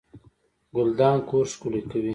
ګلدان کور ښکلی کوي